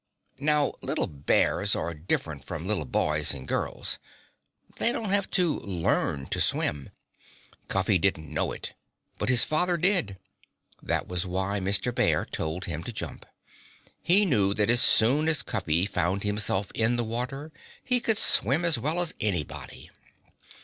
Now, little bears are different from little boys and girls. They don't have to learn to swim. Cuffy didn't know it. But his father did. That was why Mr. Bear told him to jump. He knew that as soon as Cuffy found himself in the water he could swim as well as anybody.